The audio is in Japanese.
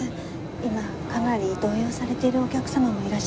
今かなり動揺されているお客様もいらっしゃるので。